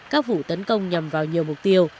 các vụ tấn công nhằm vào nhiều mục tiêu